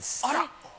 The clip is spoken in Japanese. あら。